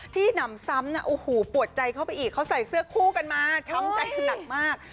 หนำซ้ำนะโอ้โหปวดใจเข้าไปอีกเขาใส่เสื้อคู่กันมาช้ำใจคือหนักมาก